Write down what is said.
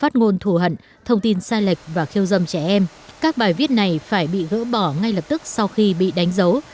chăm trẻ em các bài viết này phải bị gỡ bỏ ngay lập tức sau khi bị đánh dấu